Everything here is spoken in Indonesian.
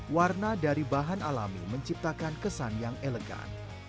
warna dari bahan alami menciptakan kesan yang elegan